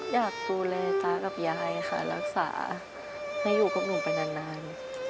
อยากดูแลตากับยายค่ะรักษาให้อยู่กับหนูไปนาน